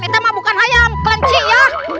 itu bukan ayam kelenci ya